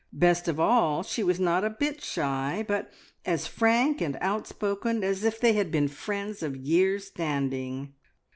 Best of all, she was not a bit shy, but as frank and outspoken as if they had been friends of years' standing.